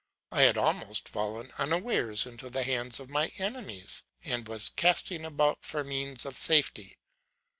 I had almost fallen unawares into the hands of my enemies, and was casting about for means of safety.